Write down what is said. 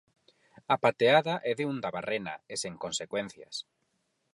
A pateada é de Undabarrena e sen consecuencias.